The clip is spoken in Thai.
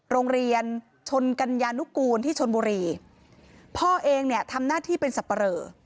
โรงเรียนชนกัญญานุกูลที่ชนบุรีพ่อเองเนี่ยทำหน้าที่เป็นสับปะเรอ